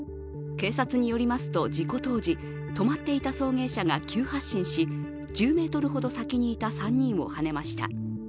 警察によりますと、事故当時止まっていた送迎車が急発進し１０ｍほど先にいた３人をはねました